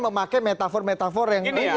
memakai metafor metafor yang